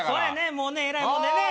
もうねえらいもんでね。